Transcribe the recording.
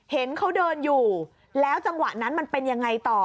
เห็นเขาเดินอยู่แล้วจังหวะนั้นมันเป็นยังไงต่อ